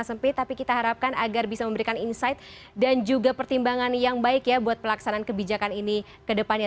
karena durasinya sangat sempit tapi kita harapkan agar bisa memberikan insight dan juga pertimbangan yang baik ya buat pelaksanaan kebijakan ini kedepannya